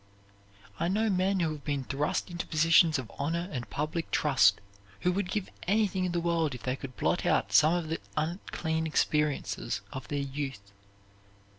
I know men who have been thrust into positions of honor and public trust who would give anything in the world if they could blot out some of the unclean experiences of their youth.